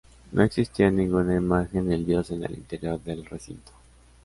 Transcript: No existía ninguna imagen del dios en el interior del recinto.